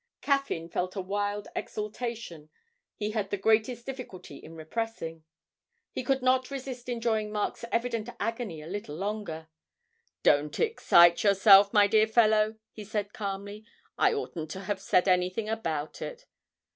Caffyn felt a wild exultation he had the greatest difficulty in repressing. He could not resist enjoying Mark's evident agony a little longer. 'Don't excite yourself, my dear fellow,' he said calmly. 'I oughtn't to have said anything about it.'